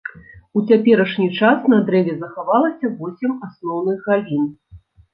У цяперашні час на дрэве захавалася восем асноўных галін.